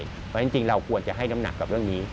เพราะฉะนั้นจริงเราควรจะให้น้ำหนักกับเรื่องนี้